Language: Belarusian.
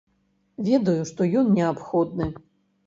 Ведаю, што ён неабходны.